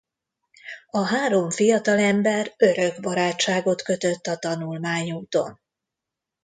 A három fiatalember örök barátságot kötött a tanulmányúton.